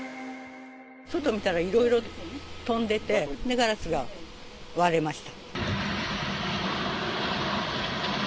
外見たらいろいろ飛んでて、ガラスが割れました。